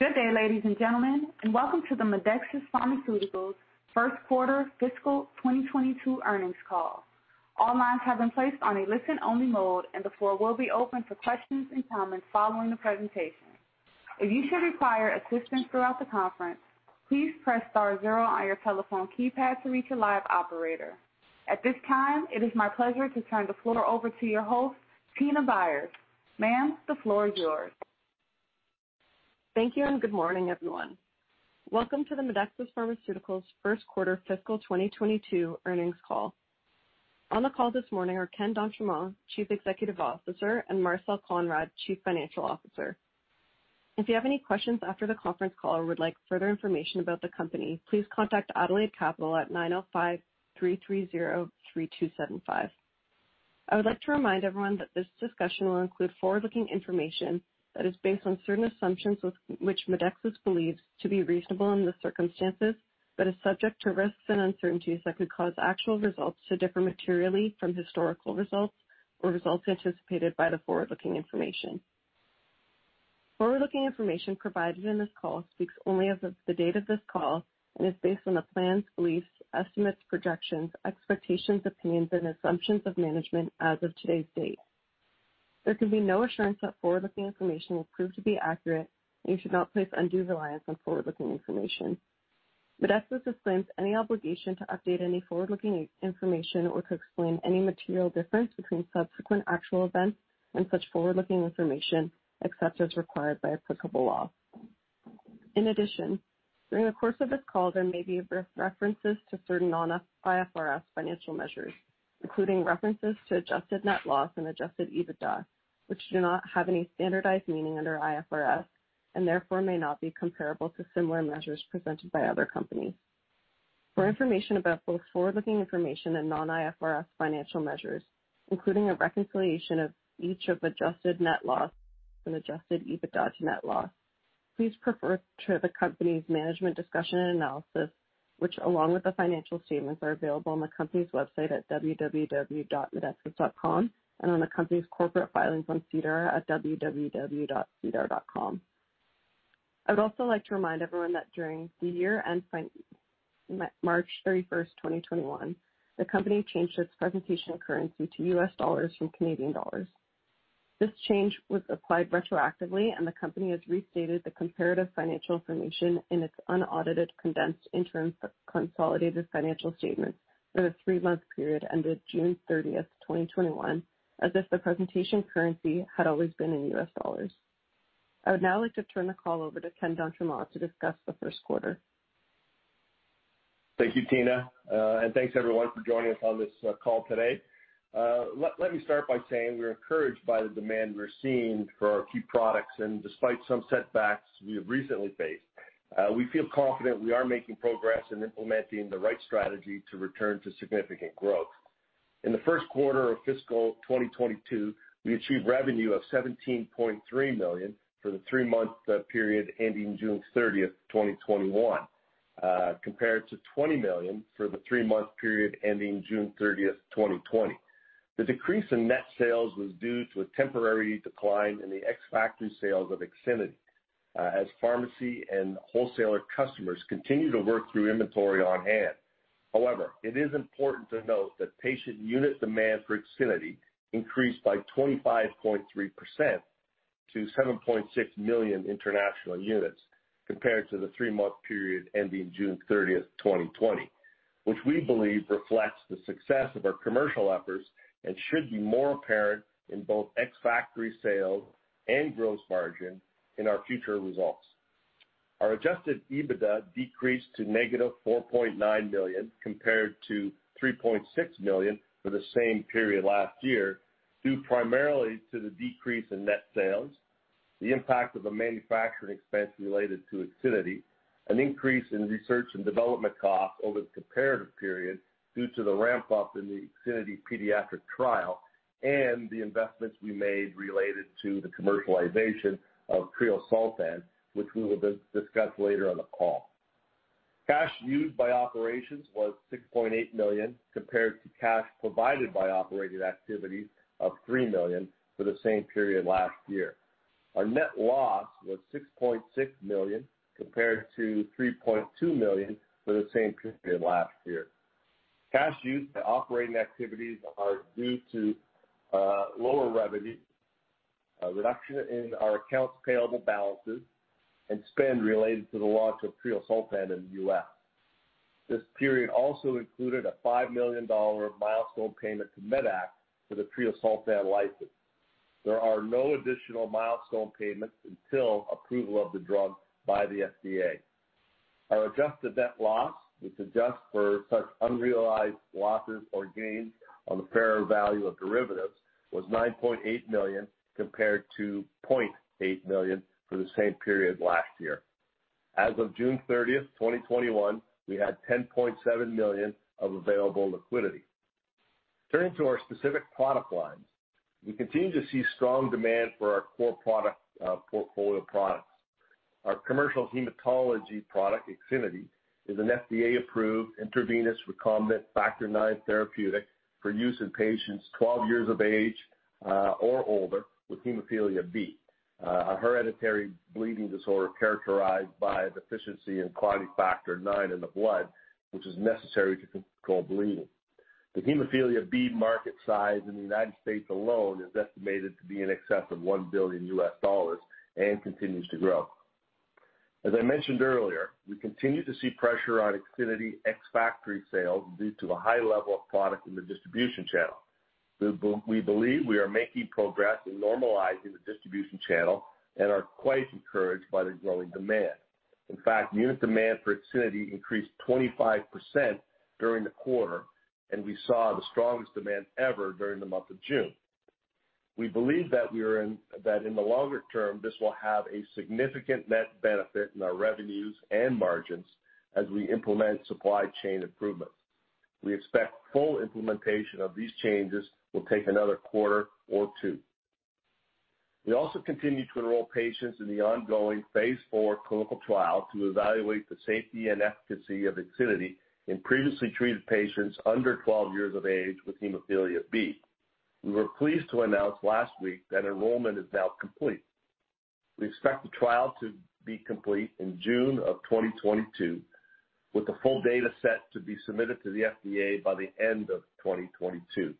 Good day, ladies and gentlemen, and welcome to the Medexus Pharmaceuticals first quarter fiscal 2022 earnings call. At this time, it is my pleasure to turn the floor over to your host, Tina Byers. Ma'am, the floor is yours. Thank you, and good morning, everyone. Welcome to the Medexus Pharmaceuticals first quarter fiscal 2022 earnings call. On the call this morning are Ken d'Entremont, Chief Executive Officer, and Marcel Konrad, Chief Financial Officer. If you have any questions after the conference call or would like further information about the company, please contact Adelaide Capital at 905-330-3275. I would like to remind everyone that this discussion will include forward-looking information that is based on certain assumptions which Medexus believes to be reasonable in the circumstances, but is subject to risks and uncertainties that could cause actual results to differ materially from historical results or results anticipated by the forward-looking information. Forward-looking information provided in this call speaks only as of the date of this call and is based on the plans, beliefs, estimates, projections, expectations, opinions, and assumptions of management as of today's date. There can be no assurance that forward-looking information will prove to be accurate, and you should not place undue reliance on forward-looking information. Medexus disclaims any obligation to update any forward-looking information or to explain any material difference between subsequent actual events and such forward-looking information, except as required by applicable law. During the course of this call, there may be references to certain non-IFRS financial measures, including references to adjusted net loss and adjusted EBITDA, which do not have any standardized meaning under IFRS, and therefore may not be comparable to similar measures presented by other companies. For information about both forward-looking information and non-IFRS financial measures, including a reconciliation of each of adjusted net loss and adjusted EBITDA to net loss, please refer to the company's management discussion and analysis, which, along with the financial statements, are available on the company's website at www.medexus.com and on the company's corporate filings on SEDAR at www.sedar.com. I would also like to remind everyone that during the year ending March 31st, 2021, the company changed its presentation currency to US dollars from Canadian dollars. This change was applied retroactively, and the company has restated the comparative financial information in its unaudited condensed interim consolidated financial statements for the three-month period ending June 30th, 2021, as if the presentation currency had always been in U.S. dollars. I would now like to turn the call over to Ken d'Entremont to discuss the first quarter. Thank you, Tina, and thanks everyone for joining us on this call today. Let me start by saying we're encouraged by the demand we're seeing for our key products, and despite some setbacks we have recently faced. We feel confident we are making progress in implementing the right strategy to return to significant growth. In the first quarter of fiscal 2022, we achieved revenue of 17.3 million for the three-month period ending June 30th, 2021, compared to 20 million for the three-month period ending June 30th, 2020. The decrease in net sales was due to a temporary decline in the ex-factory sales of IXINITY as pharmacy and wholesaler customers continue to work through inventory on hand. However, it is important to note that patient unit demand for IXINITY increased by 25.3% to 7.6 million international units compared to the three-month period ending June 30th, 2020. Which we believe reflects the success of our commercial efforts and should be more apparent in both ex-factory sales and gross margin in our future results. Our adjusted EBITDA decreased to negative $4.9 million compared to $3.6 million for the same period last year, due primarily to the decrease in net sales, the impact of a manufacturing expense related to IXINITY, an increase in research and development costs over the comparative period due to the ramp-up in the IXINITY pediatric trial, and the investments we made related to the commercialization of treosulfan, which we will discuss later on the call. Cash used by operations was $6.8 million compared to cash provided by operating activities of $3 million for the same period last year. Our net loss was $6.6 million compared to $3.2 million for the same period last year. Cash used by operating activities are due to lower revenue, a reduction in our accounts payable balances, and spend related to the launch of treosulfan in the U.S. This period also included a $5 million milestone payment to Medac for the treosulfan license. There are no additional milestone payments until approval of the drug by the FDA. Our adjusted net loss, which adjusts for such unrealized losses or gains on the fair value of derivatives, was $9.8 million, compared to $0.8 million for the same period last year. As of June 30, 2021, we had $10.7 million of available liquidity. Turning to our specific product lines, we continue to see strong demand for our core portfolio products. Our commercial hematology product, IXINITY is an FDA-approved intravenous recombinant factor IX therapeutic for use in patients 12 years of age or older with hemophilia B, a hereditary bleeding disorder characterized by a deficiency in clotting factor IX in the blood, which is necessary to control bleeding. The hemophilia B market size in the United States alone is estimated to be in excess of $1 billion and continues to grow. As I mentioned earlier, we continue to see pressure on IXINITY ex-factory sales due to the high level of product in the distribution channel. We believe we are making progress in normalizing the distribution channel and are quite encouraged by the growing demand. In fact, unit demand for IXINITY increased 25% during the quarter, and we saw the strongest demand ever during the month of June. We believe that in the longer term, this will have a significant net benefit in our revenues and margins as we implement supply chain improvements. We expect full implementation of these changes will take another quarter or two. We also continue to enroll patients in the ongoing phase IV clinical trial to evaluate the safety and efficacy of IXINITY in previously treated patients under 12 years of age with hemophilia B. We were pleased to announce last week that enrollment is now complete. We expect the trial to be complete in June of 2022, with the full data set to be submitted to the FDA by the end of 2022.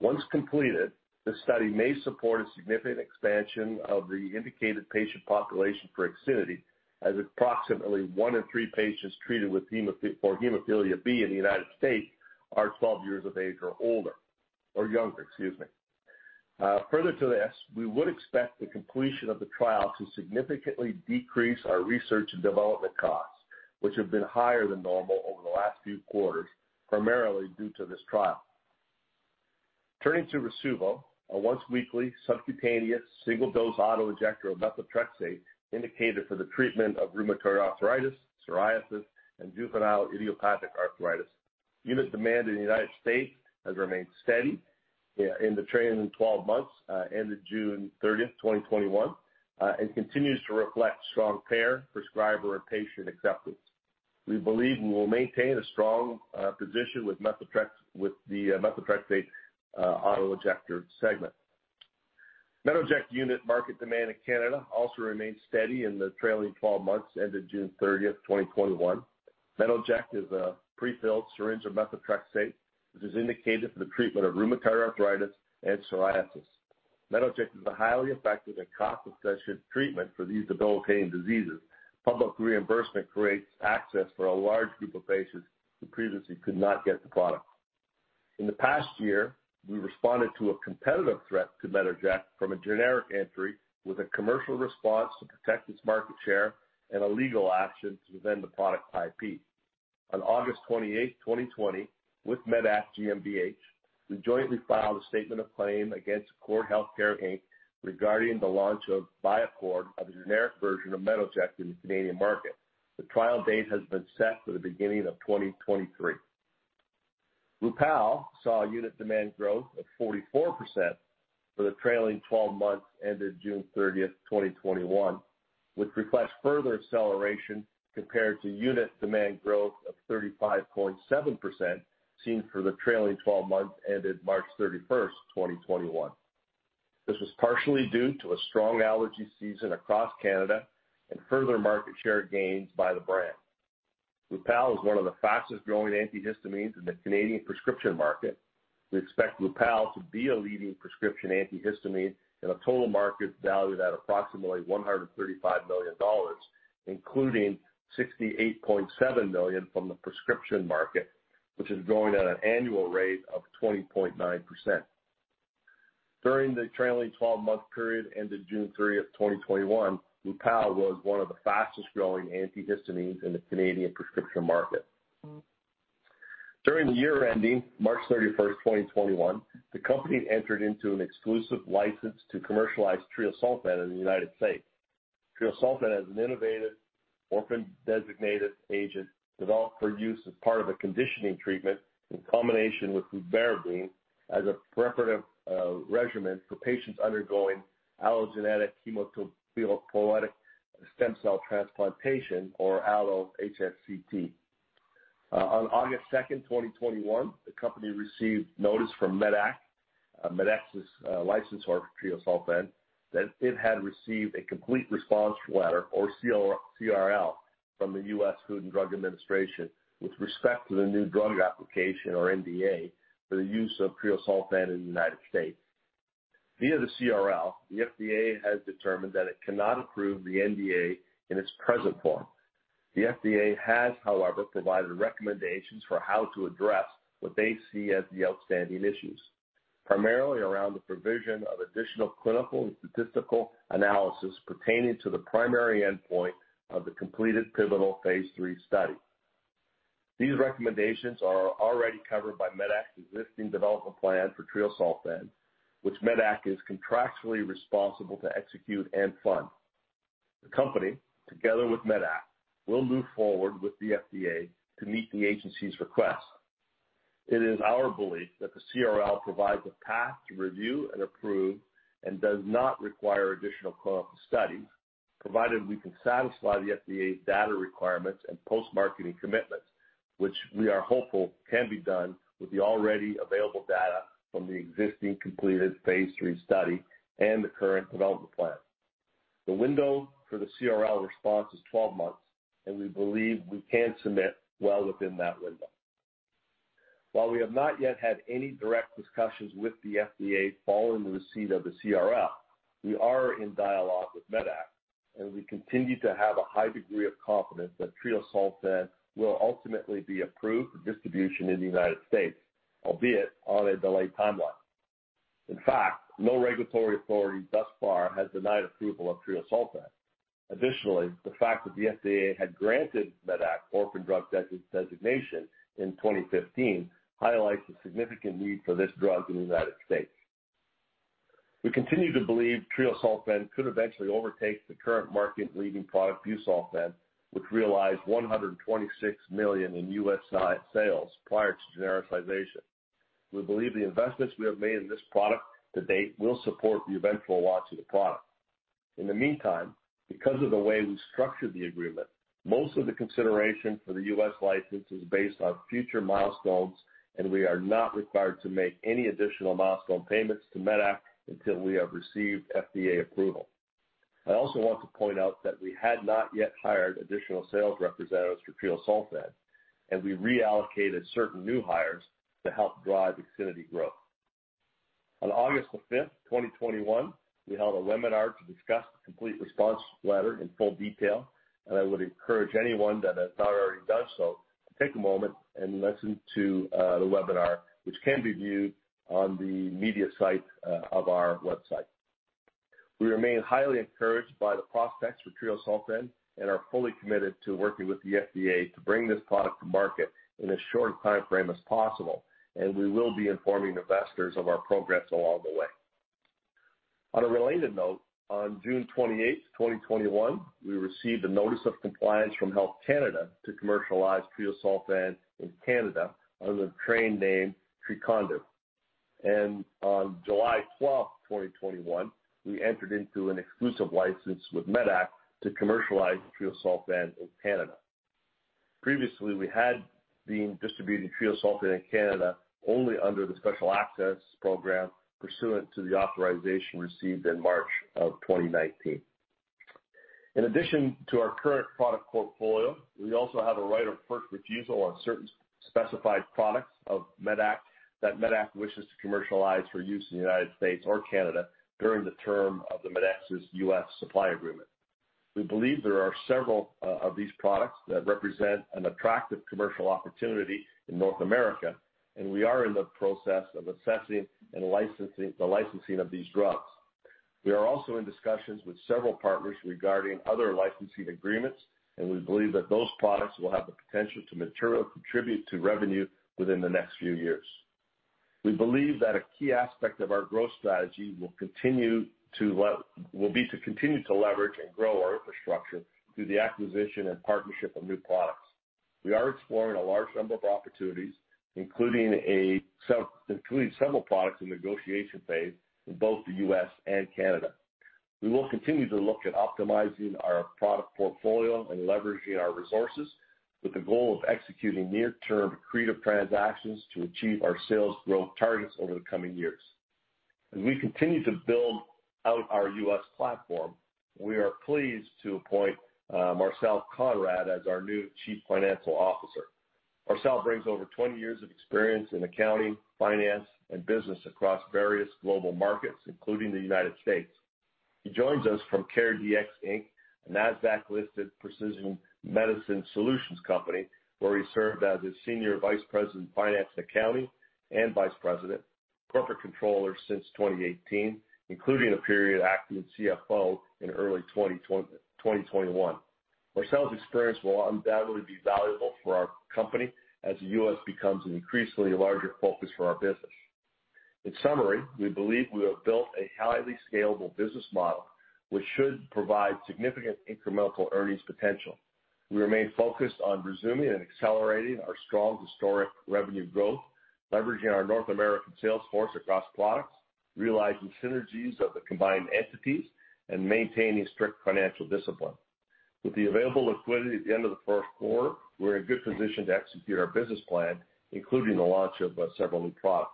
Once completed, the study may support a significant expansion of the indicated patient population for IXINITY as approximately one in three patients treated for hemophilia B in the U.S. are 12 years of age or older. Or younger, excuse me. Further to this, we would expect the completion of the trial to significantly decrease our research and development costs, which have been higher than normal over the last few quarters, primarily due to this trial. Turning to Rasuvo, a once-weekly subcutaneous single-dose auto-injector of methotrexate indicated for the treatment of rheumatoid arthritis, psoriasis, and juvenile idiopathic arthritis. Unit demand in the U.S. has remained steady in the trailing 12 months ended June 30th, 2021, and continues to reflect strong payer, prescriber, and patient acceptance. We believe we will maintain a strong position with the methotrexate auto-injector segment. Metoject unit market demand in Canada also remained steady in the trailing 12 months ended June 30th, 2021. Metoject is a prefilled syringe of methotrexate, which is indicated for the treatment of rheumatoid arthritis and psoriasis. Metoject is a highly effective and cost-effective treatment for these debilitating diseases. Public reimbursement creates access for a large group of patients who previously could not get the product. In the past year, we responded to a competitive threat to Metoject from a generic entry with a commercial response to protect its market share and a legal action to defend the product IP. On August 28th, 2020, with medac GmbH, we jointly filed a statement of claim against Accord Healthcare Inc regarding the launch of by Accord, a generic version of Metoject in the Canadian market. The trial date has been set for the beginning of 2023. Rupall saw unit demand growth of 44% for the trailing 12 months ended June 30th, 2021, which reflects further acceleration compared to unit demand growth of 35.7% seen for the trailing 12 months ended March 31st, 2021. This was partially due to a strong allergy season across Canada and further market share gains by the brand. Rupall is one of the fastest-growing antihistamines in the Canadian prescription market. We expect Rupall to be a leading prescription antihistamine in a total market valued at approximately 135 million dollars, including 68.7 million from the prescription market, which is growing at an annual rate of 20.9%. During the trailing 12-month period ended June 30th, 2021, Rupall was one of the fastest-growing antihistamines in the Canadian prescription market. During the year ending March 31st, 2021, the company entered into an exclusive license to commercialize treosulfan in the United States. treosulfan is an innovative orphan-designated agent developed for use as part of a conditioning treatment in combination with fludarabine as a preparative regimen for patients undergoing allogeneic hematopoietic stem cell transplantation or allo-HSCT. On August 2nd, 2021, the company received notice from Medac's licensor for treosulfan, that it had received a complete response letter or CRL from the US Food and Drug Administration with respect to the new drug application or NDA for the use of treosulfan in the United States. Via the CRL, the FDA has determined that it cannot approve the NDA in its present form. The FDA has, however, provided recommendations for how to address what they see as the outstanding issues, primarily around the provision of additional clinical and statistical analysis pertaining to the primary endpoint of the completed pivotal phase III study. These recommendations are already covered by Medac's existing development plan for treosulfan, which Medac is contractually responsible to execute and fund. The company, together with Medac, will move forward with the FDA to meet the agency's request. It is our belief that the CRL provides a path to review and approve and does not require additional clinical studies, provided we can satisfy the FDA's data requirements and post-marketing commitments, which we are hopeful can be done with the already available data from the existing completed phase III study and the current development plan. The window for the CRL response is 12 months, and we believe we can submit well within that window. While we have not yet had any direct discussions with the FDA following the receipt of the CRL, we are in dialogue with Medac, and we continue to have a high degree of confidence that treosulfan will ultimately be approved for distribution in the United States, albeit on a delayed timeline. In fact, no regulatory authority thus far has denied approval of treosulfan. Additionally, the fact that the FDA had granted Medac Orphan Drug Designation in 2015 highlights the significant need for this drug in the U.S. We continue to believe treosulfan could eventually overtake the current market-leading product busulfan, which realized $126 million in U.S. sales prior to genericization. We believe the investments we have made in this product to date will support the eventual launch of the product. In the meantime, because of the way we structured the agreement, most of the consideration for the U.S. license is based on future milestones, and we are not required to make any additional milestone payments to Medac until we have received FDA approval. I also want to point out that we had not yet hired additional sales representatives for treosulfan, and we reallocated certain new hires to help drive IXINITY growth. On August the 5th, 2021, we held a webinar to discuss the complete response letter in full detail, and I would encourage anyone that has not already done so to take a moment and listen to the webinar, which can be viewed on the media site of our website. We remain highly encouraged by the prospects for treosulfan and are fully committed to working with the FDA to bring this product to market in as short a timeframe as possible, and we will be informing investors of our progress along the way. On a related note, on June 28th, 2021, we received a notice of compliance from Health Canada to commercialize treosulfan in Canada under the trade name Trecondyv. On July 12th, 2021, we entered into an exclusive license with Medac to commercialize treosulfan in Canada. Previously, we had been distributing treosulfan in Canada only under the Special Access Program pursuant to the authorization received in March of 2019. In addition to our current product portfolio, we also have a right of first refusal on certain specified products of Medac that Medac wishes to commercialize for use in the United States or Canada during the term of the Medexus's U.S. supply agreement. We believe there are several of these products that represent an attractive commercial opportunity in North America, and we are in the process of assessing the licensing of these drugs. We are also in discussions with several partners regarding other licensing agreements, and we believe that those products will have the potential to materially contribute to revenue within the next few years. We believe that a key aspect of our growth strategy will be to continue to leverage and grow our infrastructure through the acquisition and partnership of new products. We are exploring a large number of opportunities, including several products in negotiation phase in both the U.S. and Canada. We will continue to look at optimizing our product portfolio and leveraging our resources with the goal of executing near-term accretive transactions to achieve our sales growth targets over the coming years. As we continue to build out our U.S. platform, we are pleased to appoint Marcel Konrad as our new Chief Financial Officer. Marcel brings over 20 years of experience in accounting, finance, and business across various global markets, including the United States. He joins us from CareDx, Inc, a NASDAQ-listed precision medicine solutions company, where he served as a senior vice president of finance and accounting and vice president corporate controller since 2018, including a period acting as CFO in early 2021. Marcel's experience will undoubtedly be valuable for our company as the U.S. becomes an increasingly larger focus for our business. In summary, we believe we have built a highly scalable business model, which should provide significant incremental earnings potential. We remain focused on resuming and accelerating our strong historic revenue growth, leveraging our North American sales force across products, realizing synergies of the combined entities, and maintaining strict financial discipline. With the available liquidity at the end of the first quarter, we're in a good position to execute our business plan, including the launch of several new products.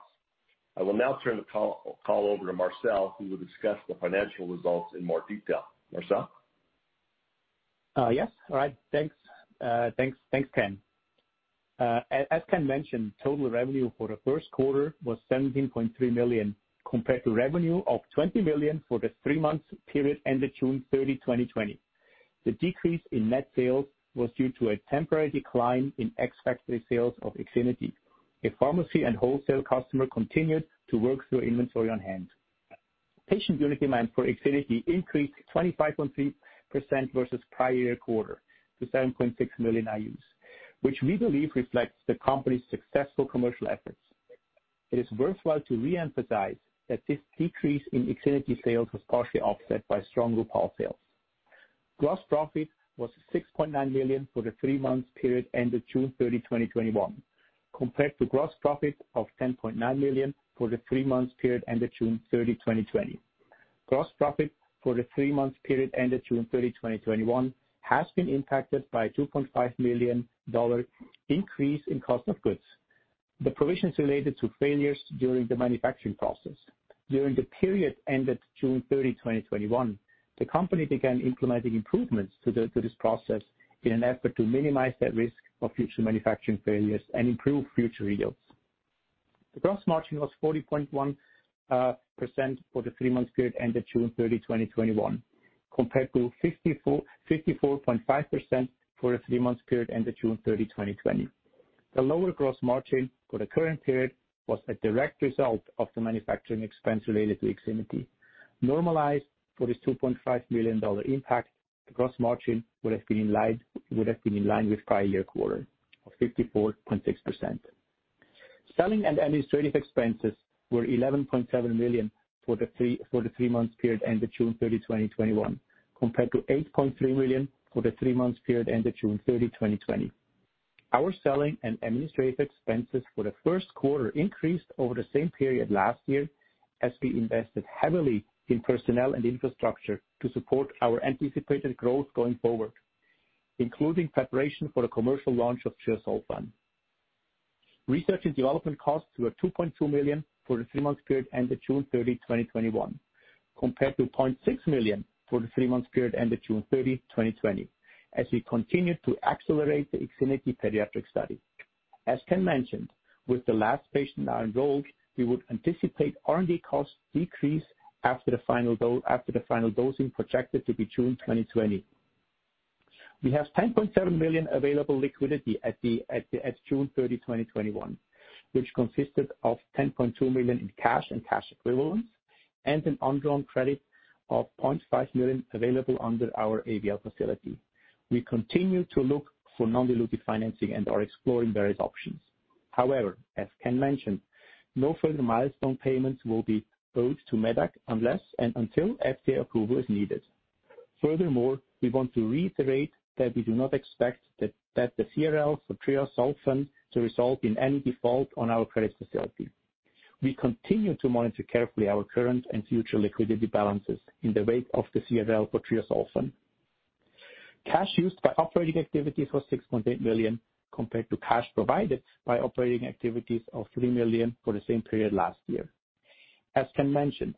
I will now turn the call over to Marcel, who will discuss the financial results in more detail. Marcel? Yes. All right. Thanks. Thanks, Ken. As Ken mentioned, total revenue for the first quarter was $17.3 million, compared to revenue of $20 million for the three-month period ended June 30, 2020. The decrease in net sales was due to a temporary decline in ex-factory sales of IXINITY. A pharmacy and wholesale customer continued to work through inventory on hand. Patient unit demand for IXINITY increased 25.3% versus prior year quarter to 7.6 million IUs, which we believe reflects the company's successful commercial efforts. It is worthwhile to reemphasize that this decrease in IXINITY sales was partially offset by strong Rupall sales. Gross profit was $6.9 million for the three-month period ended June 30, 2021, compared to gross profit of $10.9 million for the three-month period ended June 30, 2020. Gross profit for the three-month period ended June 30, 2021, has been impacted by a $2.5 million increase in cost of goods. The provisions related to failures during the manufacturing process. During the period ended June 30, 2021, the company began implementing improvements to this process in an effort to minimize the risk of future manufacturing failures and improve future yields. The gross margin was 40.1% for the three-month period ended June 30, 2021, compared to 54.5% for the three-month period ended June 30, 2020. The lower gross margin for the current period was a direct result of the manufacturing expense related to IXINITY. Normalized for this $2.5 million impact, the gross margin would have been in line with prior year quarter of 54.6%. Selling and administrative expenses were $11.7 million for the three-month period ended June 30, 2021, compared to $8.3 million for the three-month period ended June 30, 2020. Our selling and administrative expenses for the first quarter increased over the same period last year, as we invested heavily in personnel and infrastructure to support our anticipated growth going forward, including preparation for the commercial launch of treosulfan. Research and development costs were $2.2 million for the three-month period ended June 30, 2021, compared to $0.6 million for the three-month period ended June 30, 2020, as we continued to accelerate the IXINITY pediatric study. As Ken mentioned, with the last patient now enrolled, we would anticipate R&D costs decrease after the final dosing projected to be June 2020. We have $10.7 million available liquidity as at June 30, 2021, which consisted of $10.2 million in cash and cash equivalents and an undrawn credit of $0.5 million available under our ABL facility. We continue to look for non-dilutive financing and are exploring various options. As Ken mentioned, no further milestone payments will be owed to Medac unless and until FDA approval is needed. We want to reiterate that we do not expect that the CRL for treosulfan to result in any default on our credit facility. We continue to monitor carefully our current and future liquidity balances in the wake of the CRL for treosulfan. Cash used by operating activities was $6.8 million, compared to cash provided by operating activities of $3 million for the same period last year. As Ken mentioned,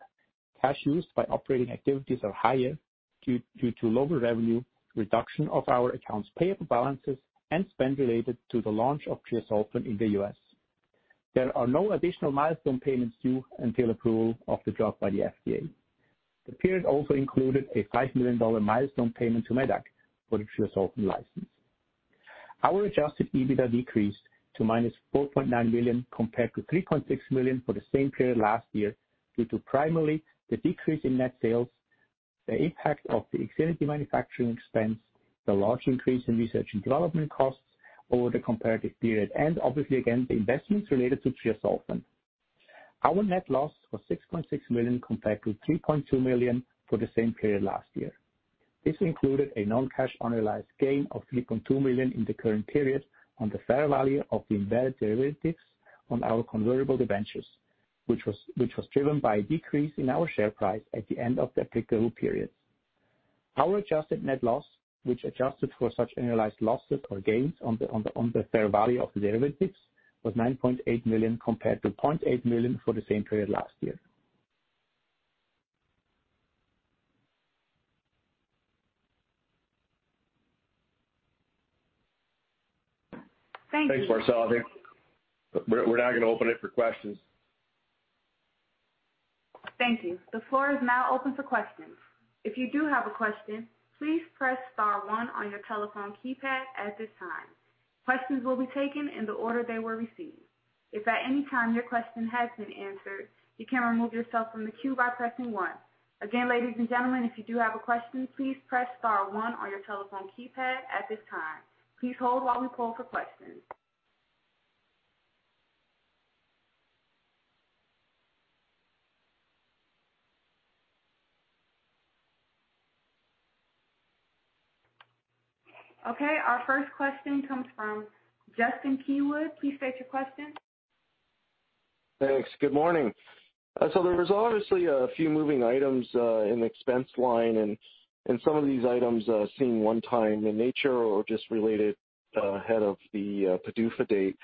cash used by operating activities are higher due to lower revenue, reduction of our accounts payable balances, and spend related to the launch of triazolam in the U.S. There are no additional milestone payments due until approval of the drug by the FDA. The period also included a $5 million milestone payment to Medac for the triazolam license. Our adjusted EBITDA decreased to -$4.9 million compared to $3.6 million for the same period last year due to primarily the decrease in net sales, the impact of the IXINITY manufacturing expense, the large increase in research and development costs over the comparative period, and obviously, again, the investments related to triazolam. Our net loss was $6.6 million compared to $3.2 million for the same period last year. This included a non-cash unrealized gain of $3.2 million in the current period on the fair value of the embedded derivatives on our convertible debentures, which was driven by a decrease in our share price at the end of the applicable period. Our adjusted net loss, which adjusted for such unrealized losses or gains on the fair value of derivatives, was $9.8 million compared to $0.8 million for the same period last year. Thank you. Thanks, Marcel. We're now going to open it for questions. Thank you. The floor is now open for questions. If you do have a question, please press star one on your telephone keypad at this time. Questions will be taken in the order they were received. If at any time, your question has been answered, you can remove yourself from the queue by pressing one. Again, ladies and gentlemen, if you do have a question, please press star one on your telephone keypad at this time. Please hold as we poll for questions. Our first question comes from Justin Keywood. Please state your question. Thanks. Good morning. There was obviously a few moving items in the expense line and some of these items seem one-time in nature or just related ahead of the PDUFA date.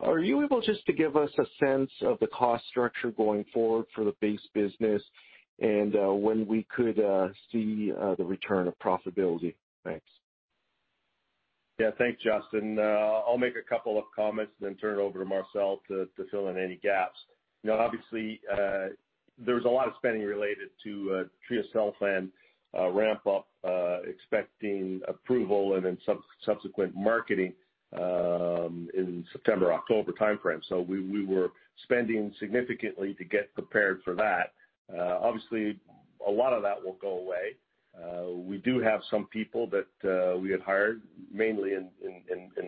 Are you able just to give us a sense of the cost structure going forward for the base business and when we could see the return of profitability? Thanks. Yeah. Thanks, Justin. I'll make a couple of comments and then turn it over to Marcel to fill in any gaps. Obviously, there's a lot of spending related to treosulfan ramp up, expecting approval and then subsequent marketing in September-October timeframe. We were spending significantly to get prepared for that. A lot of that will go away. We do have some people that we had hired mainly in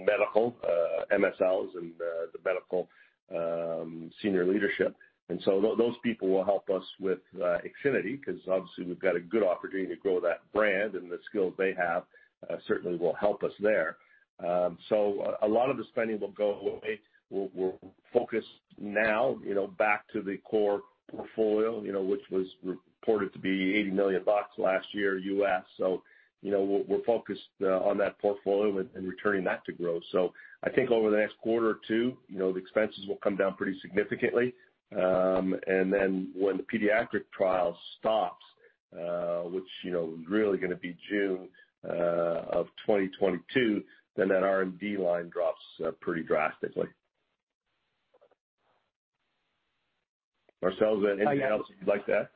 medical, MSLs, and the medical senior leadership. Those people will help us with IXINITY, because obviously we've got a good opportunity to grow that brand, and the skills they have certainly will help us there. A lot of the spending will go away. We're focused now back to the core portfolio which was reported to be $80 million last year U.S. We're focused on that portfolio and returning that to growth. I think over the next quarter or two, the expenses will come down pretty significantly. When the pediatric trial stops, which is really going to be June of 2022, then that R&D line drops pretty drastically. Marcel, is there anything else you'd like to add?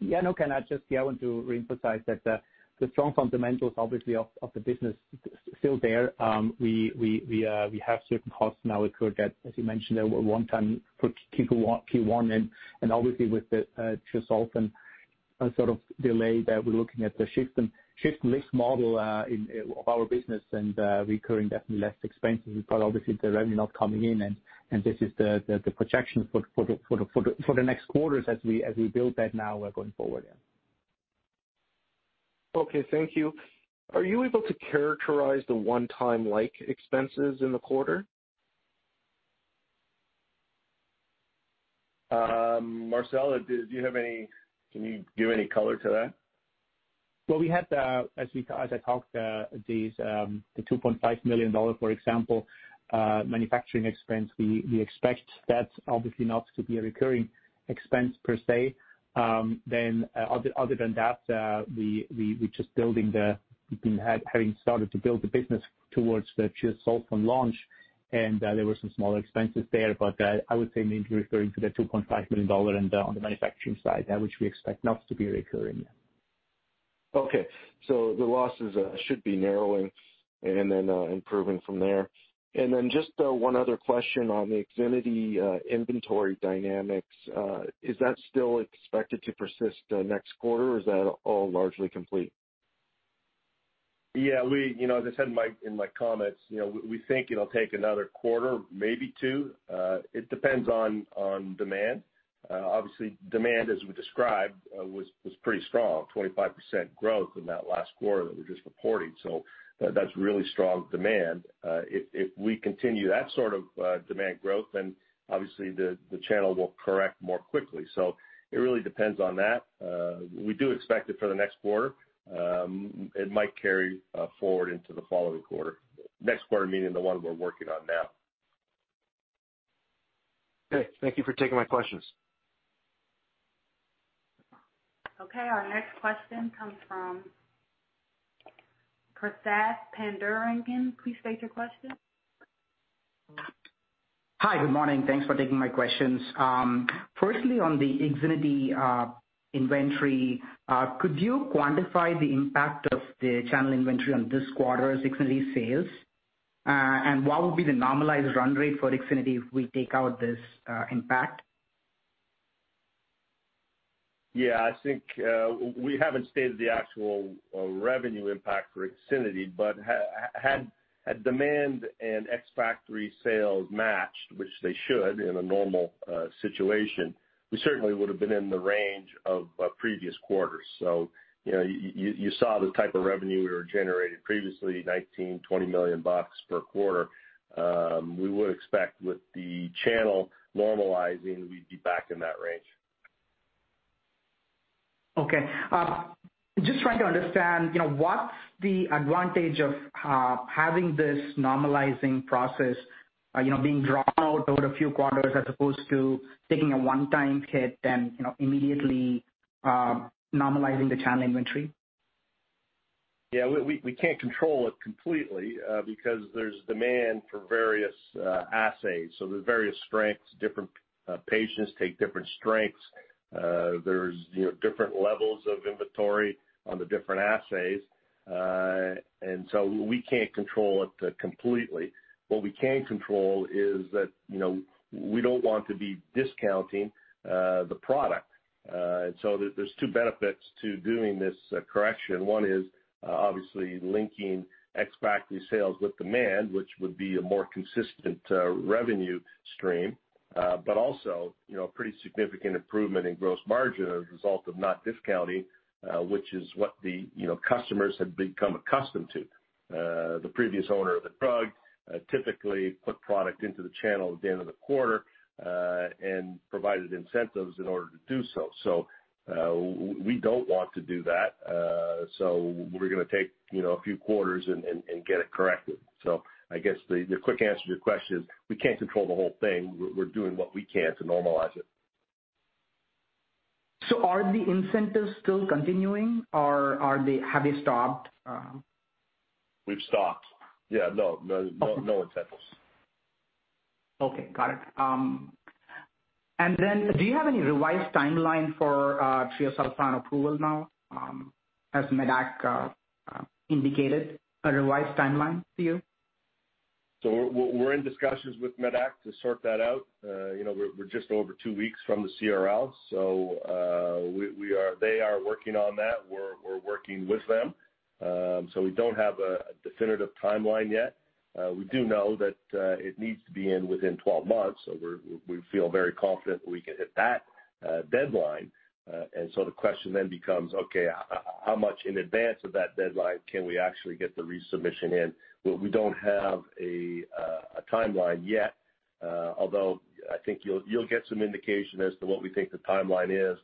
Yeah, no, Ken, I just want to reemphasize that the strong fundamentals, obviously, of the business are still there. We have certain costs now incurred that, as you mentioned, they were one-time for Q1 and obviously with the treosulfan sort of delay that we're looking at, the shift in mix model of our business and recurring definitely less expenses. Obviously the revenue not coming in and this is the projection for the next quarters as we build that now going forward, yeah. Okay, thank you. Are you able to characterize the one-time-like expenses in the quarter? Marcel, can you give any color to that? As I talked, the $2.5 million, for example, manufacturing expense, we expect that obviously not to be a recurring expense per se. Other than that, we've been having started to build the business towards the treosulfan launch, and there were some small expenses there. I would say maybe referring to the $2.5 million on the manufacturing side, which we expect not to be recurring. Okay. The losses should be narrowing and then improving from there. Just one other question on the IXINITY inventory dynamics. Is that still expected to persist next quarter, or is that all largely complete? Yeah. As I said in my comments, we think it'll take another quarter, maybe two. It depends on demand. Obviously, demand, as we described, was pretty strong, 25% growth in that last quarter that we just reported. That's really strong demand. If we continue that sort of demand growth, obviously the channel will correct more quickly. It really depends on that. We do expect it for the next quarter. It might carry forward into the following quarter. Next quarter meaning the one we're working on now. Okay. Thank you for taking my questions. Okay, our next question comes from Prasath Pandurangan. Please state your question. Hi, good morning. Thanks for taking my questions. Firstly, on the IXINITY inventory, could you quantify the impact of the channel inventory on this quarter's IXINITY sales? What would be the normalized run rate for IXINITY if we take out this impact? I think we haven't stated the actual revenue impact for IXINITY, but had demand and ex-factory sales matched, which they should in a normal situation, we certainly would've been in the range of previous quarters. You saw the type of revenue we were generating previously, $19 million, $20 million per quarter. We would expect with the channel normalizing, we'd be back in that range. Just trying to understand what's the advantage of having this normalizing process being drawn out over a few quarters as opposed to taking a one-time hit and immediately normalizing the channel inventory? Yeah, we can't control it completely because there's demand for various assays. There's various strengths. Different patients take different strengths. There's different levels of inventory on the different assays. We can't control it completely. What we can control is that we don't want to be discounting the product. There's two benefits to doing this correction. One is obviously linking ex-factory sales with demand, which would be a more consistent revenue stream. Also a pretty significant improvement in gross margin as a result of not discounting, which is what the customers had become accustomed to. The previous owner of the drug typically put product into the channel at the end of the quarter, and provided incentives in order to do so. We don't want to do that, so we're going to take a few quarters and get it corrected. I guess the quick answer to your question is we can't control the whole thing. We're doing what we can to normalize it. Are the incentives still continuing, or have they stopped? We've stopped. Yeah, no incentives. Okay, got it. Do you have any revised timeline for treosulfan approval now as Medac indicated a revised timeline to you? We're in discussions with Medac to sort that out. We're just over two weeks from the CRL, so they are working on that. We're working with them. We don't have a definitive timeline yet. We do know that it needs to be in within 12 months, so we feel very confident that we can hit that deadline. The question then becomes, how much in advance of that deadline can we actually get the resubmission in? We don't have a timeline yet. Although I think you'll get some indication as to what we think the timeline is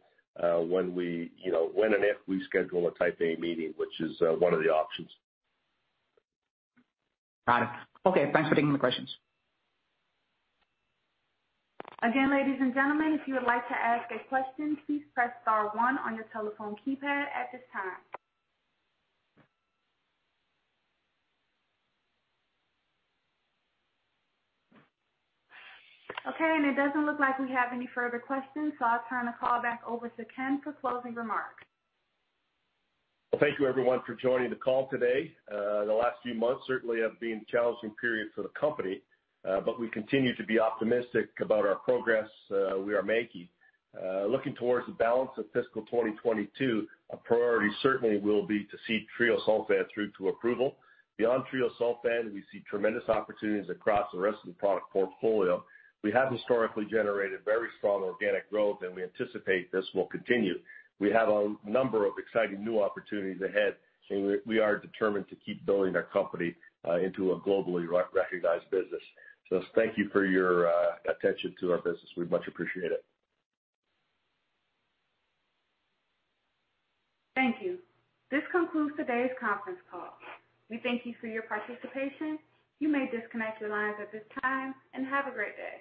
when and if we schedule a Type A meeting, which is one of the options. Got it. Okay, thanks for taking the questions. Okay, it doesn't look like we have any further questions, so I'll turn the call back over to Ken for closing remarks. Well, thank you, everyone, for joining the call today. The last few months certainly have been a challenging period for the company, but we continue to be optimistic about our progress we are making. Looking towards the balance of fiscal 2022, a priority certainly will be to see treosulfan through to approval. Beyond treosulfan, we see tremendous opportunities across the rest of the product portfolio. We have historically generated very strong organic growth, and we anticipate this will continue. We have a number of exciting new opportunities ahead, and we are determined to keep building our company into a globally recognized business. Thank you for your attention to our business. We much appreciate it. Thank you. This concludes today's conference call. We thank you for your participation. You may disconnect your lines at this time, and have a great day.